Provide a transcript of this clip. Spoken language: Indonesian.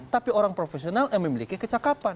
tapi orang profesional yang memiliki kecakapan